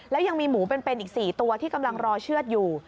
แล้วยังมีหมูเป็นอีก๔ตัวที่กำลังรอเชือดอยู่